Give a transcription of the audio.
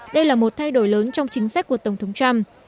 đây là một thay đổi lớn trong chính sách của tổng thống trump